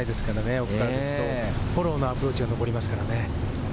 奥ですとフォローのアプローチが残りますからね。